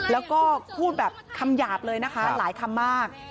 แล้วก็พูดแบบคำหยาบเลยนะคะหลายคำมาก